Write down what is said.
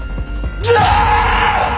うわ！